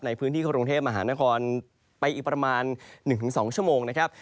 ในพื้นที่กรุงเทพมหานครไปอีกประมาณ๑๒ชั่วโมงนะครับ